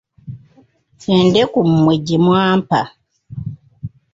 Endeku mmwe gye mwampa!